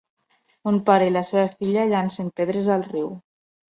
Un pare i la seva filla llancen pedres al riu.